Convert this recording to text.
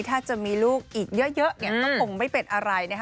ถ้าจะมีลูกอีกเยอะก็คงไม่เป็นอะไร